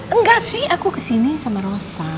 enggak sih aku kesini sama rosa